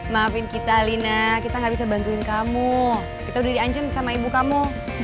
maafin kita lina kita gak bisa bantuin kamu kita udah diancam sama ibu kamu